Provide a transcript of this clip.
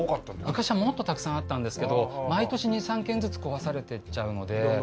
昔はもっとたくさんあったんですけど毎年２３軒ずつ壊されていっちゃうので。